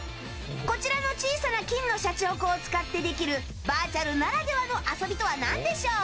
こちらの小さな金のシャチホコを使ってできるバーチャルならではの遊びとは何でしょう？